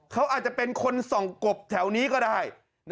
เขาอาจจะเป็นคนส่องกบแถวนี้ก็ได้